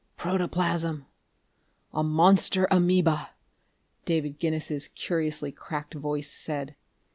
"Protoplasm a monster amoeba," David Guinness's curiously cracked voice said.